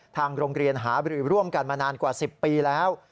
ทางโรงเรียนหาบรือร่วมกันมานานกว่า๑๐ปีแล้ว